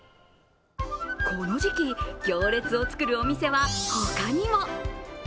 この時期、行列を作るお店は他にも。